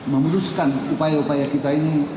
memuluskan upaya upaya kita ini